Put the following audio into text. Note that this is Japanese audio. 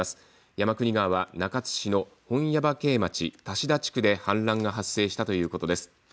山国川は中津市の本耶馬渓町多志田地区で氾濫が発生したということです。